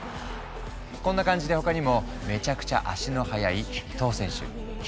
こんな感じで他にもめちゃくちゃ足の速い伊東選手